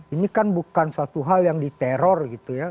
ini kan bukan suatu hal yang diteror gitu ya